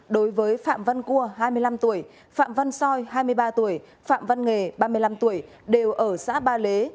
đối với phạm văn cua hai mươi năm tuổi phạm văn soi hai mươi ba tuổi phạm văn nghề ba mươi năm tuổi đều ở xã ba lế